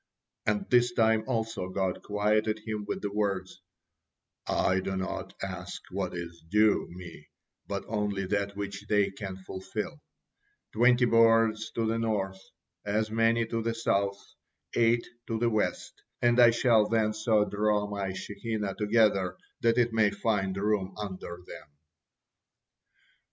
And this time also God quieted him with the words, "I do not ask what is due Me, but only that which they can fulfil; twenty boards to the north, as many to the south, eight in the west, and I shall then so draw My Shekinah together that it may find room under them."